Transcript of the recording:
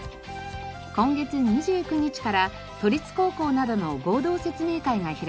今月２９日から都立高校などの合同説明会が開かれます。